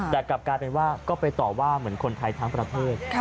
แต่กลับกลายเป็นว่าก็ไปต่อว่าเหมือนคนไทยทั้งประเทศ